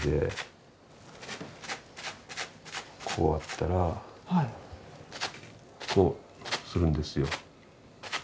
こうやったらこうするんですよ。